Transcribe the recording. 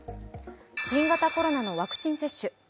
新型コロナのワクチン接種。